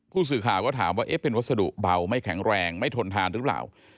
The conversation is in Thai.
ผู้สื่อข่าวก็ถามว่าเอ๊ะเป็นวัสดุเบาไม่แข็งแรงไม่ทนทานหรือเปล่า